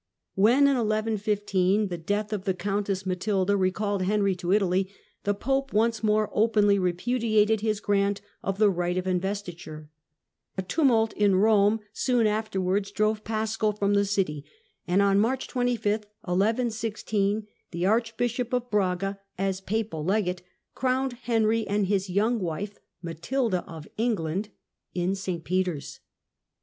When in 1115 the death of the Countess Matilda recalled Henry to Italy, the Pope once more openly repudiated his grant of the right of investiture. A tumult in Rome soon afterwards drove Paschal from the city, and, on March 25, 1116, the Archbishop of Second Braga, as papal legate, crowned Henry and his young S^H^nry*''' wife, Matilda of England, in St Peter's.